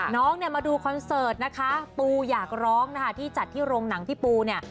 น้องเนี่ยมาดูคอนเสิร์ตนะคะปูอยากร้องนะคะที่จัดที่โรงหนังพี่ปูเนี่ย